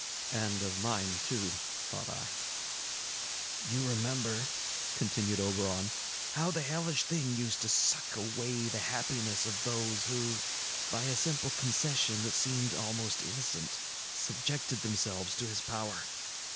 "And of mine, too," thought I. "You remember," continued Oberon, "how the hellish thing used to suck away the happiness of those who, by a simple concession that seemed almost innocent, subjected themselves to his power.